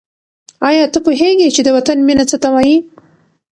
آیا ته پوهېږې چې د وطن مینه څه ته وايي؟